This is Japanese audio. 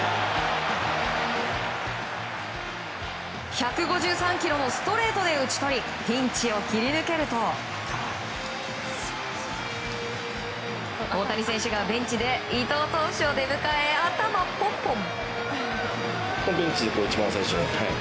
１５３キロのストレートで打ち取りピンチを切り抜けると大谷選手が、ベンチで伊藤投手を出迎え頭をポンポン。